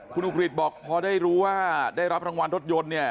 คุณอุกฤษบอกพอได้รู้ว่าได้รับรางวัลรถยนต์เนี่ย